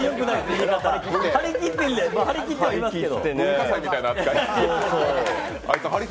言い方、張り切ってはいますけど。